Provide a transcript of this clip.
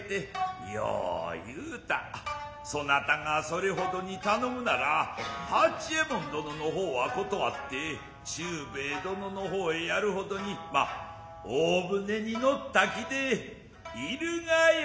そなたがそれ程に頼むなら八右衛門殿の方は断わって忠兵衛殿の方へやる程にまあ大舟に乗った気でいるがよいわいの。